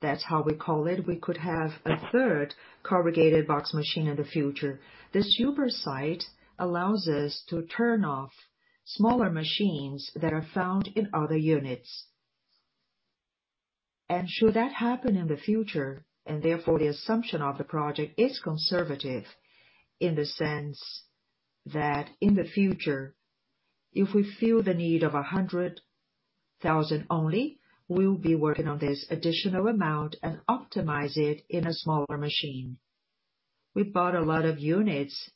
that's how we call it, we could have a third corrugated box machine in the future. The super site allows us to turn off smaller machines that are found in other units. Should that happen in the future, and therefore the assumption of the project is conservative in the sense that in the future, if we feel the need of 100,000 only, we'll be working on this additional amount and optimize it in a smaller machine. We bought a lot of units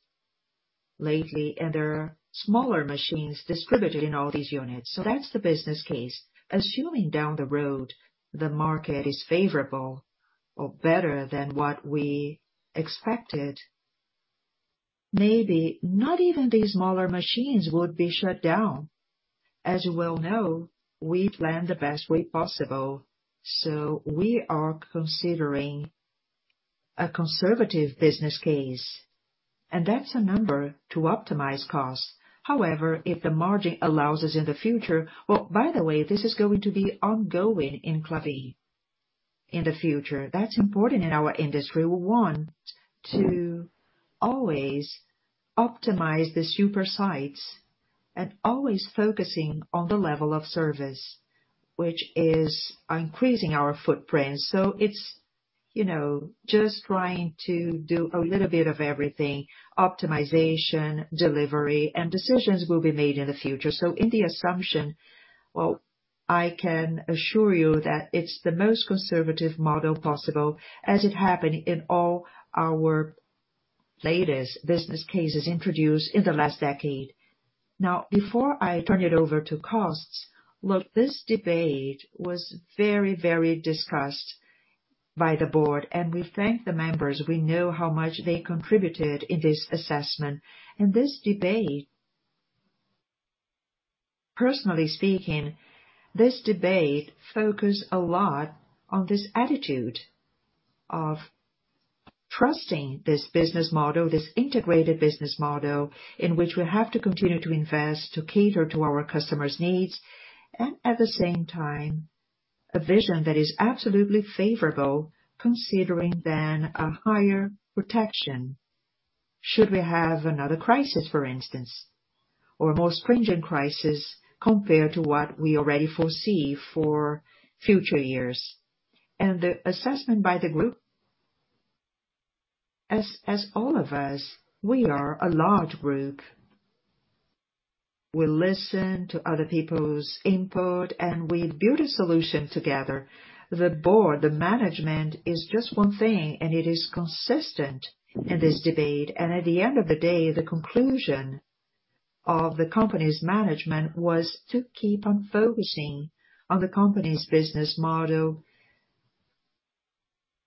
lately, and there are smaller machines distributed in all these units. That's the business case. Assuming down the road, the market is favorable or better than what we expected, maybe not even the smaller machines would be shut down. As you well know, we plan the best way possible, so we are considering a conservative business case, and that's a number to optimize costs. However, if the margin allows us in the future. Well, by the way, this is going to be ongoing in Klabin in the future. That's important in our industry. We want to always optimize the super sites and always focusing on the level of service, which is increasing our footprint. It's, you know, just trying to do a little bit of everything, optimization, delivery, and decisions will be made in the future. In the assumption, well, I can assure you that it's the most conservative model possible as it happened in all our latest business cases introduced in the last decade. Now, before I turn it over to costs, look, this debate was very, very discussed by the board, and we thank the members. We know how much they contributed in this assessment. This debate, personally speaking, this debate focused a lot on this attitude of trusting this business model, this integrated business model, in which we have to continue to invest to cater to our customers' needs, and at the same time, a vision that is absolutely favorable considering then a higher protection should we have another crisis, for instance, or a more stringent crisis compared to what we already foresee for future years. The assessment by the group, as all of us, we are a large group. We listen to other people's input, and we build a solution together. The board, the management is just one thing, and it is consistent in this debate. At the end of the day, the conclusion of the company's management was to keep on focusing on the company's business model,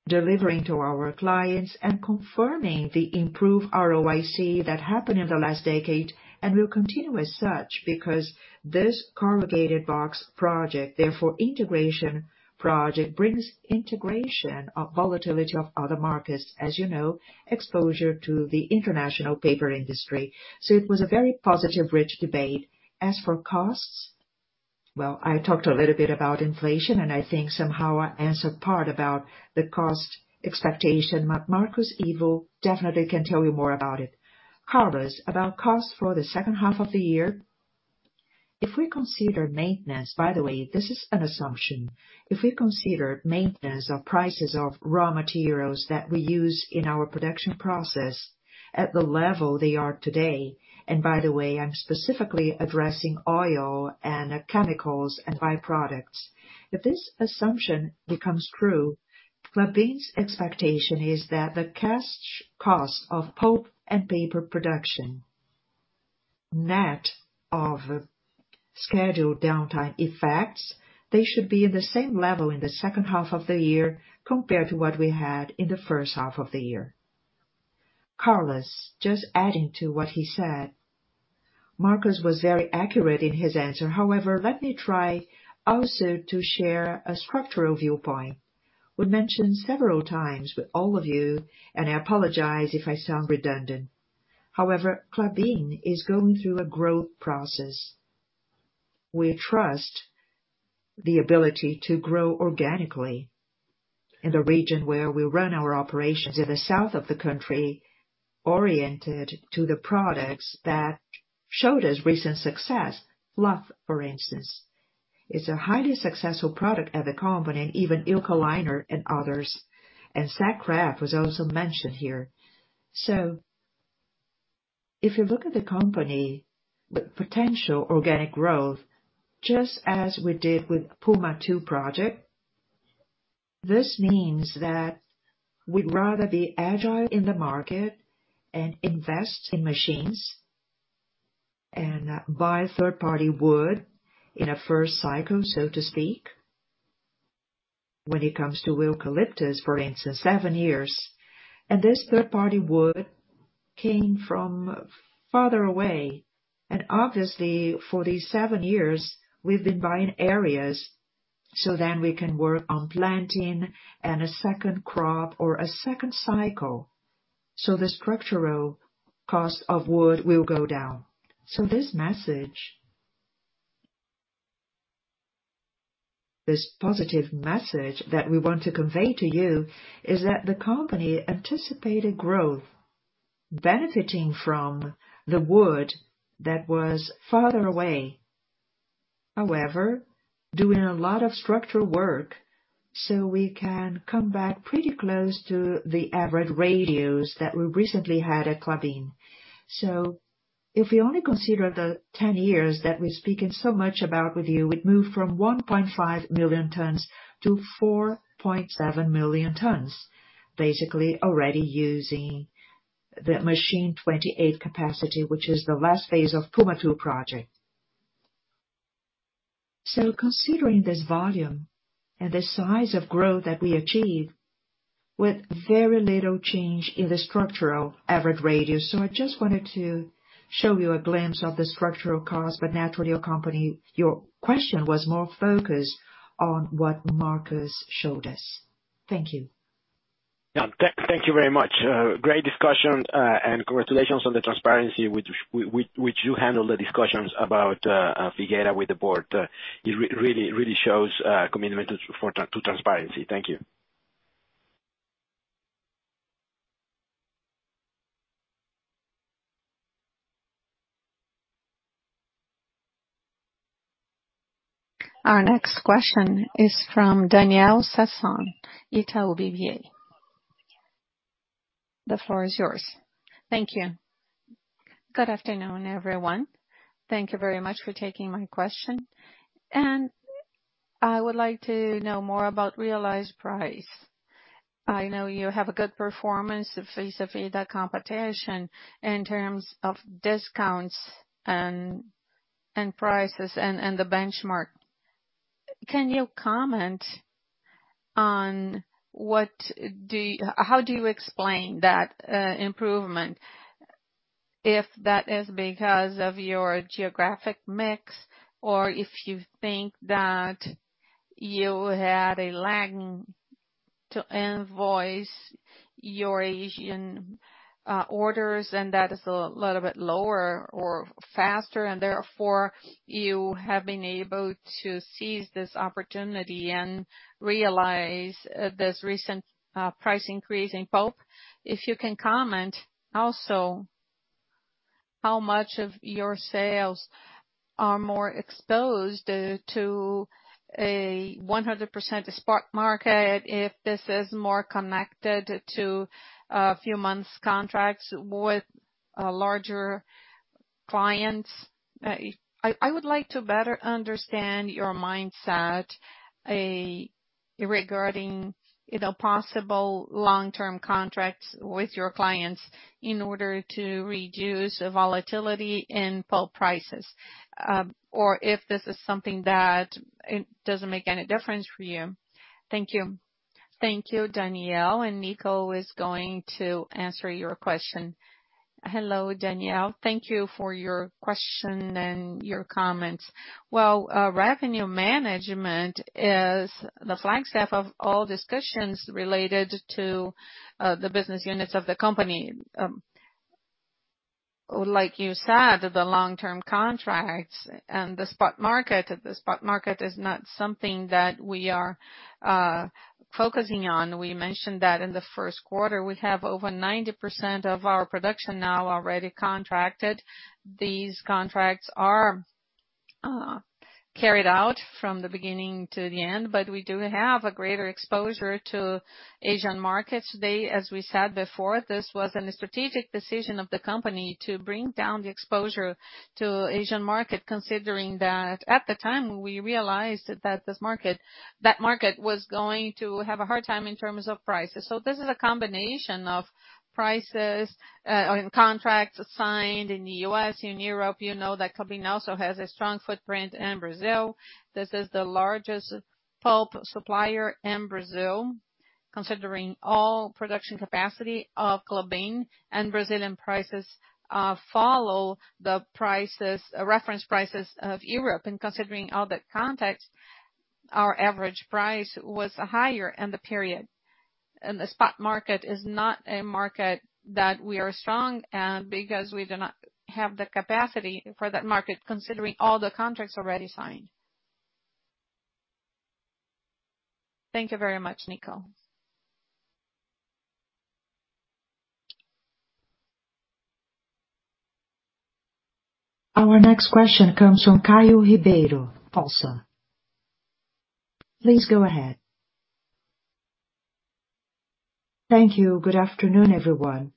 delivering to our clients and confirming the improved ROIC that happened in the last decade and will continue as such because this corrugated box project, therefore integration project, brings integration of volatility of other markets, as you know, exposure to the international paper industry. It was a very positive, rich debate. As for costs, well, I talked a little bit about inflation, and I think somehow I answered part about the cost expectation. Marcos Ivo definitely can tell you more about it. Carlos, about cost for the second half of the year. If we consider maintenance, by the way, this is an assumption. If we consider maintenance of prices of raw materials that we use in our production process at the level they are today, and by the way, I'm specifically addressing oil and chemicals and byproducts. If this assumption becomes true, Klabin's expectation is that the cost of pulp and paper production, net of scheduled downtime effects, they should be at the same level in the second half of the year compared to what we had in the first half of the year. Carlos, just adding to what he said. Marcos was very accurate in his answer. However, let me try also to share a structural viewpoint. We mentioned several times with all of you, and I apologize if I sound redundant. However, Klabin is going through a growth process. We trust the ability to grow organically in the region where we run our operations in the south of the country, oriented to the products that showed us recent success. Fluff, for instance, is a highly successful product at the company, and even Eukaliner and others. Sack Kraft was also mentioned here. If you look at the company, the potential organic growth, just as we did with Puma II Project, this means that we'd rather be agile in the market and invest in machines and buy third-party wood in a first cycle, so to speak. When it comes to eucalyptus, for instance, seven years. This third party wood came from farther away. Obviously, for these seven years we've been buying areas, so then we can work on planting and a second crop or a second cycle, so the structural cost of wood will go down. This positive message that we want to convey to you is that the company anticipated growth benefiting from the wood that was farther away. However, doing a lot of structural work, so we can come back pretty close to the average radius that we recently had at Klabin. If we only consider the 10 years that we're speaking so much about with you, we'd move from 1.5 million tons to 4.7 million tons, basically already using the machine 28 capacity, which is the last phase of Puma II Project. Considering this volume and the size of growth that we achieved with very little change in the structural average radius. I just wanted to show you a glimpse of the structural cost. But naturally, your company, your question was more focused on what Marcos showed us. Thank you. Thank you very much. Great discussion. Congratulations on the transparency with which you handle the discussions about Figueira with the board. It really shows commitment to transparency. Thank you. Our next question is from Daniel Sasson, Itaú BBA. The floor is yours. Thank you. Good afternoon, everyone. Thank you very much for taking my question. I would like to know more about realized price. I know you have a good performance vis-a-vis the competition in terms of discounts and prices and the benchmark. Can you comment on how do you explain that improvement, if that is because of your geographic mix, or if you think that you had a lag to invoice your Asian orders and that is a little bit lower or faster, and therefore you have been able to seize this opportunity and realize this recent price increase in pulp? If you can comment also how much of your sales are more exposed to a 100% spot market, if this is more connected to a few months contracts with larger clients. I would like to better understand your mindset, regarding the possible long-term contracts with your clients in order to reduce the volatility in pulp prices, or if this is something that it doesn't make any difference for you. Thank you. Thank you, Daniel, and Nico is going to answer your question. Hello, Daniel. Thank you for your question and your comments. Well, revenue management is the flagship of all discussions related to the business units of the company. Like you said, the long-term contracts and the spot market. The spot market is not something that we are focusing on. We mentioned that in the first quarter. We have over 90% of our production now already contracted. These contracts are carried out from the beginning to the end, but we do have a greater exposure to Asian markets. As we said before, this was a strategic decision of the company to bring down the exposure to Asian market, considering that at the time, we realized that that market was going to have a hard time in terms of prices. This is a combination of prices, I mean, contracts signed in the U.S., in Europe. You know that Klabin also has a strong footprint in Brazil. This is the largest pulp supplier in Brazil, considering all production capacity of Klabin. Brazilian prices follow the prices, reference prices of Europe. Considering all that context, our average price was higher in the period, and the spot market is not a market that we are strong, because we do not have the capacity for that market considering all the contracts already signed. Thank you very much, Nico. Our next question comes from Caio Ribeiro, BofA. Please go ahead. Thank you. Good afternoon, everyone.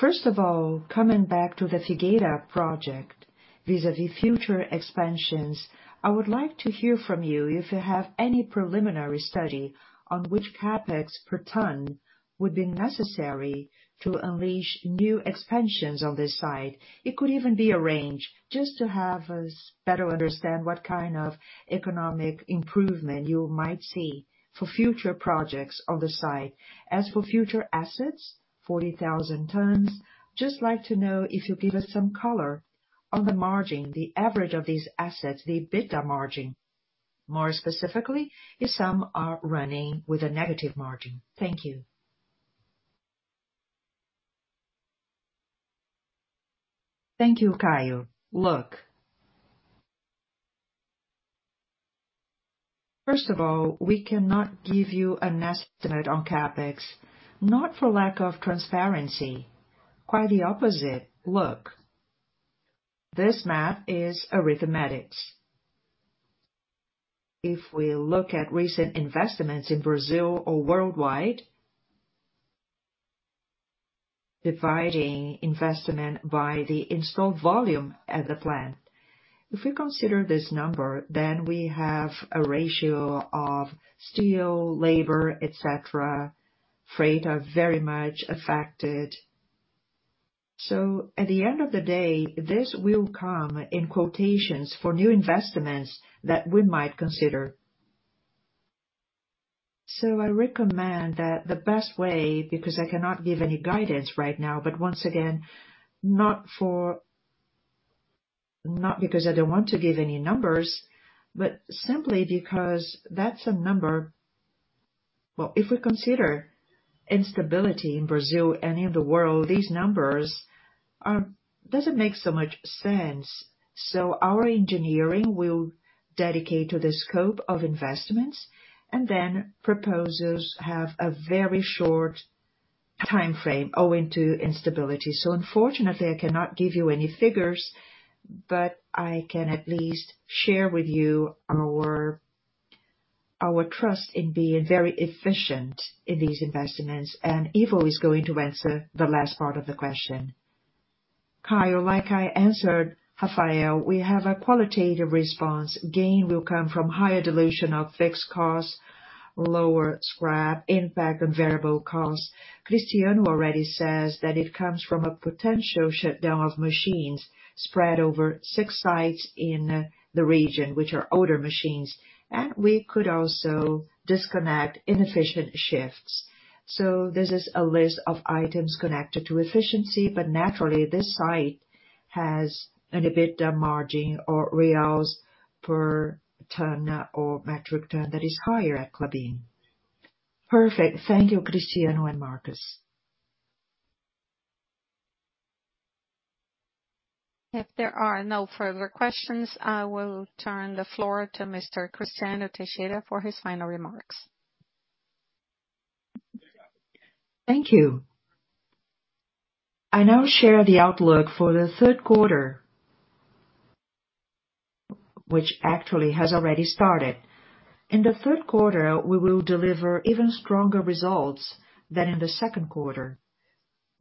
First of all, coming back to the Figueira Project vis-à-vis future expansions, I would like to hear from you if you have any preliminary study on which CapEx per ton would be necessary to unleash new expansions on this site. It could even be a range, just to have us better understand what kind of economic improvement you might see for future projects on the site. As for future assets, 40,000 tons, just like to know if you give us some color on the margin, the average of these assets, the EBITDA margin. More specifically, if some are running with a negative margin. Thank you. Thank you, Caio. Look, first of all, we cannot give you an estimate on CapEx, not for lack of transparency. Quite the opposite. Look, this math is arithmetic. If we look at recent investments in Brazil or worldwide, dividing investment by the installed volume at the plant. If we consider this number, then we have a ratio of steel, labor, et cetera. Freight are very much affected. At the end of the day, this will come in quotations for new investments that we might consider. I recommend that the best way, because I cannot give any guidance right now, but once again, not because I don't want to give any numbers, but simply because that's a number. Well, if we consider instability in Brazil and in the world, these numbers doesn't make so much sense. Our engineering will dedicate to the scope of investments, and then proposals have a very short timeframe owing to instability. Unfortunately, I cannot give you any figures, but I can at least share with you our trust in being very efficient in these investments. Ivo is going to answer the last part of the question. Caio, like I answered Rafael, we have a qualitative response. Gain will come from higher dilution of fixed costs, lower scrap, impact on variable costs. Cristiano already says that it comes from a potential shutdown of machines spread over 6 sites in the region, which are older machines, and we could also disconnect inefficient shifts. This is a list of items connected to efficiency. Naturally, this site has an EBITDA margin or BRL per ton or metric ton that is higher at Klabin. Perfect. Thank you, Cristiano and Marcos. If there are no further questions, I will turn the floor to Mr. Cristiano Teixeira for his final remarks. Thank you. I now share the outlook for the third quarter, which actually has already started. In the third quarter, we will deliver even stronger results than in the second quarter.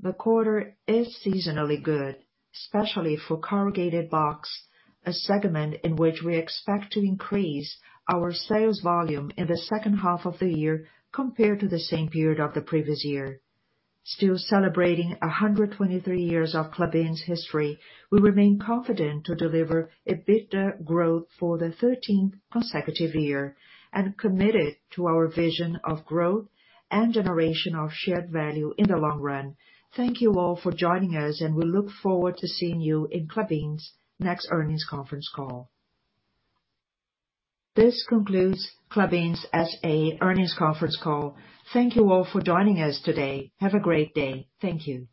The quarter is seasonally good, especially for corrugated box, a segment in which we expect to increase our sales volume in the second half of the year compared to the same period of the previous year. Still celebrating 123 years of Klabin's history, we remain confident to deliver EBITDA growth for the thirteenth consecutive year and committed to our vision of growth and generation of shared value in the long run. Thank you all for joining us, and we look forward to seeing you in Klabin's next earnings conference call. This concludes Klabin S.A.'s earnings conference call. Thank you all for joining us today. Have a great day. Thank you.